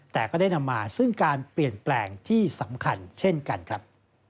แต่ก็ได้นำมาซึ่งการเปลี่ยนแปลงที่สำคัญเช่นกันครับ